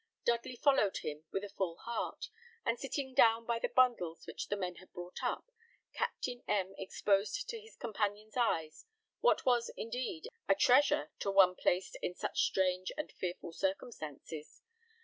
Dudley followed him with a full heart; and sitting down by the bundles which the men had brought up, Captain M exposed to his companion's eyes what was, indeed, a treasure to one placed in such strange and fearful circumstances.